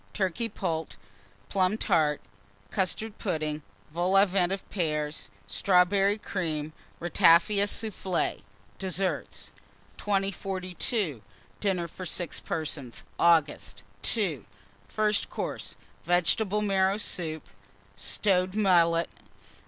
Turkey Poult. Plum Tart. Custard Pudding. Vol au Vent of Pears. Strawberry Cream. Ratafia Soufflé. DESSERT. 2042. DINNER FOR 6 PERSONS (August). II. FIRST COURSE. Vegetable Marrow Soup. Stowed Mullet.